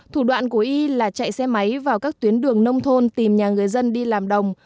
thủ đoạn của y là chạy xe máy vào các tuyến đường nông thôn tìm nhà người dân đi làm đồng